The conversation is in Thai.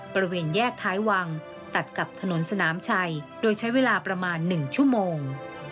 บริเวณแยกท้ายวังตัดกับถนนสนามชัยโดยใช้เวลาประมาณ๑ชั่วโมง